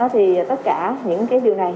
thì tất cả những cái điều này